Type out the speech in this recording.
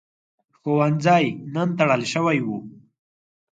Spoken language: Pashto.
ښوونځی نن تړل شوی و.